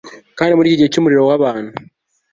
kandi muriki gihe cyumuriro wabantu